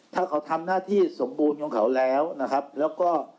ถ้าเขาทำหน้าที่สมบูรณ์ของเขาแล้วนะครับแล้วก็